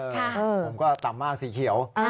ผมก็ต่ำมากสีเขียว